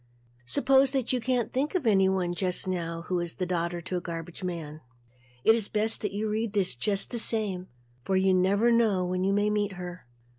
Suppose that you can't think of anyone just now who is a daughter to a garbage man, it is best to read this just the same for you never know when you may meet her.